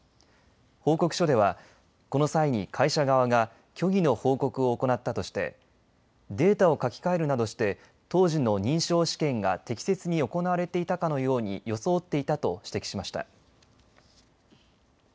報告書では、この際に会社側が虚偽の報告を行ったとしてデータを書き換えるなどして当時の認証試験が適切に行われていたかのように装っていたと指摘しました。